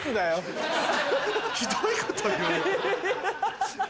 ひどいこと言う。